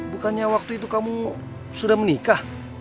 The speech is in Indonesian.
bukannya waktu itu kamu sudah menikah